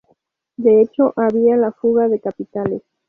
De hecho, había la fuga de capitales.